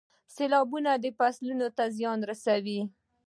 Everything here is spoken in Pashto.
سیلابونه فصلونو ته زیان رسوي.